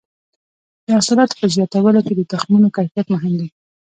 د حاصلاتو په زیاتولو کې د تخمونو کیفیت مهم دی.